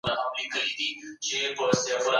هغه غوښتنې چي غلطې وي اصلاح یې کړئ.